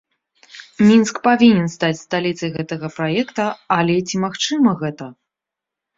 Мінск павінен стаць сталіцай гэтага праекта, але, ці магчыма гэта?